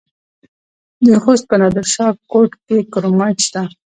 د خوست په نادر شاه کوټ کې کرومایټ شته.